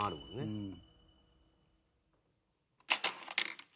うん。